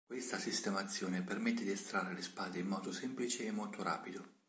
Questa sistemazione permette di estrarre le spade in modo semplice e molto rapido.